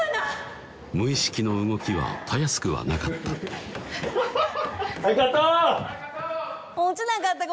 無意識の動きはたやすくはなかったはいカット！